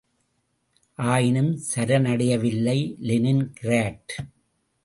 ஆயினும் சரணடையவில்லை Lenin grad.